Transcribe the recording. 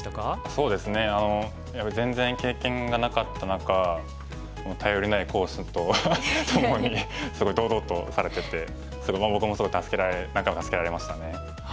そうですね全然経験がなかった中頼りない講師とともにすごい堂々とされててすごい僕も何回も助けられましたね。